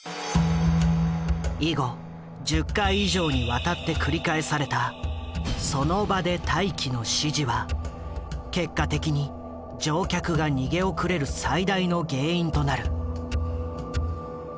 以後１０回以上にわたって繰り返された「その場で待機」の指示は結果的に乗客が逃げ遅れる最大の原因となる。